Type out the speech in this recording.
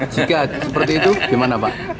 jika seperti itu gimana pak